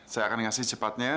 saya akan kasih secepatnya